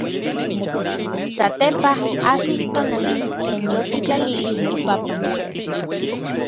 Satepaj ajsis tonali tlen yokitlalilij ipapan.